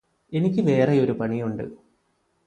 എനിക്ക് വേറെയൊരു പണിയുണ്ട്